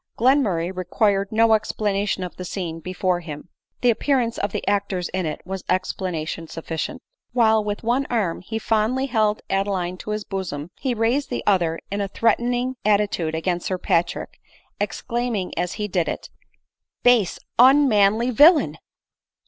Glenmurray required no explanation of the scene be fore him ; the appearance of the actors in it was ex planation sufficient ; and while with one arm he fondly held Adeline to his bosom, he raised the other in a threat ening attitude against Sir Patrick, exclaiming as he did it, " Base, unmanly villain